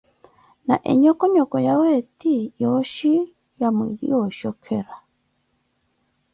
na enhokonhoko yawe eti yooshi na mwiili onshokhera.